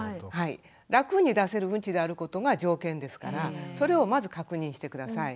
楽に出せるうんちであることが条件ですからそれをまず確認して下さい。